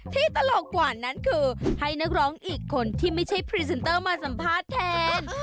ตลกกว่านั้นคือให้นักร้องอีกคนที่ไม่ใช่พรีเซนเตอร์มาสัมภาษณ์แทน